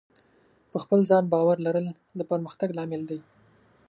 په خپل ځان باور لرل د پرمختګ لامل دی.